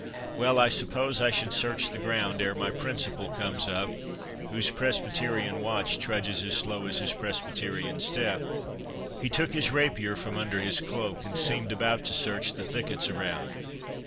—"Well, I suppose I should search the ground ere my principal comes up, whose Presbyterian watch trudges as slow as his Presbyterian step." He took his rapier from under his cloak, and seemed about to search the thickets around.